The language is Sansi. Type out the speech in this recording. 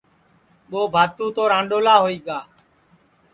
جوھر لال تو رانڈولا ہوئی گا